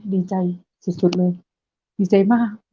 ดีใจสุดเลยดีใจมาก